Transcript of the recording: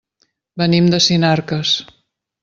Venim de Sinarques.